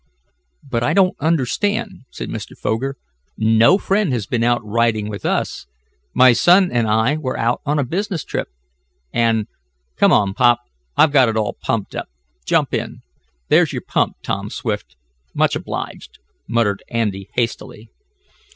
"But I don't understand," said Mr. Foger. "No friend has been out riding with us. My son and I were out on a business trip, and " "Come on, pop. I've got it all pumped up. Jump in. There's your pump, Tom Swift. Much obliged," muttered Andy hastily.